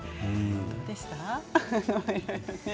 どうでしたか？